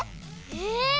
え！？